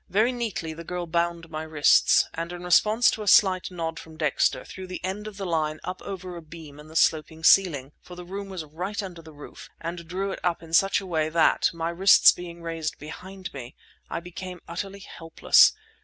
Very neatly the girl bound my wrists, and in response to a slight nod from Dexter threw the end of the line up over a beam in the sloping ceiling, for the room was right under the roof, and drew it up in such a way that, my wrists being raised behind me, I became utterly helpless.